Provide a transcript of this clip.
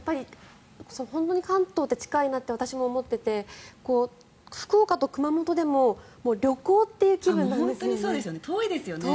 本当に関東って近いなって私も思っていて福岡と熊本でも旅行という気分なんですよね。